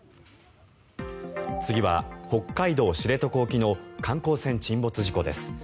次は北海道・知床沖の観光船沈没事故です。